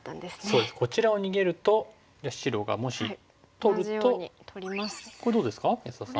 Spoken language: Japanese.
そうですこちらを逃げるとじゃあ白がもし取るとこれどうですか安田さん。